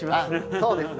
そうですね。